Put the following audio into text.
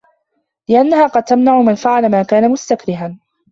لِأَنَّهَا قَدْ تَمْنَعُ مَنْ فَعَلَ مَا كَانَ مُسْتَكْرَهًا